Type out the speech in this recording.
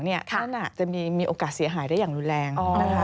นั่นจะมีโอกาสเสียหายได้อย่างรุนแรงนะคะ